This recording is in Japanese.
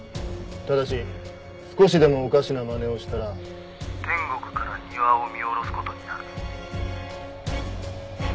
ただし少しでもおかしなまねをしたら天国から庭を見下ろす事になる。